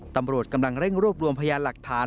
ตำรวจกำลังเร่งรวบรวมพยานหลักฐาน